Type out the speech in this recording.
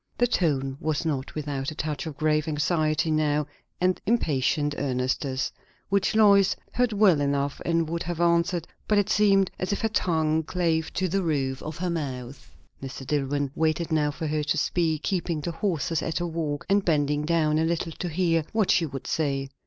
The tone was not without a touch of grave anxiety now, and impatient earnestness, which Lois heard well enough and would have answered; but it seemed as if her tongue clave to the roof of her mouth. Mr. Dillwyn waited now for her to speak, keeping the horses at a walk, and bending down a little to hear what she would say.